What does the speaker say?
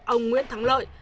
ông nguyễn thắng lợi